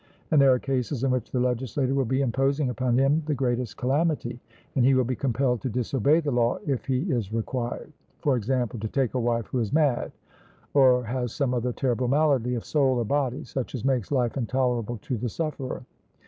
And there are cases in which the legislator will be imposing upon him the greatest calamity, and he will be compelled to disobey the law, if he is required, for example, to take a wife who is mad, or has some other terrible malady of soul or body, such as makes life intolerable to the sufferer.